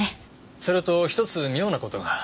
それと１つ妙な事が。